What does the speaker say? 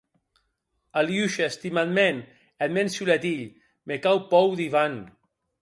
Aliosha, estimat mèn, eth mèn solet hilh, me cau pòur d'Ivan.